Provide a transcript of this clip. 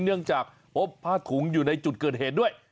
เนื่องจากพบผ้าถุงอยู่ในจุดเกิดเหตุด้วย